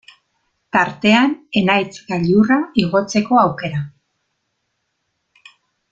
Tartean Enaitz gailurra igotzeko aukera.